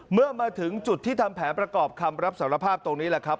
เมื่อมาถึงจุดที่ทำแผนประกอบคำรับสารภาพตรงนี้แหละครับ